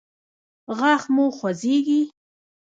غاښ مو خوځیږي؟